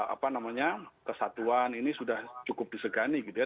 apa namanya kesatuan ini sudah cukup disegani gitu ya